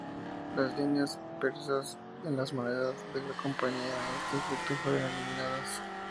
Las líneas persas en las monedas de la Compañía a este efecto fueron eliminadas.